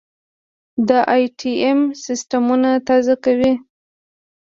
دا ائ ټي ټیم سیستمونه تازه کوي.